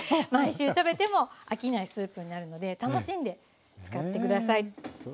毎週食べても飽きないスープになるので楽しんで使って下さい。